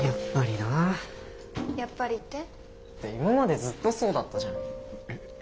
だって今までずっとそうだったじゃん。え？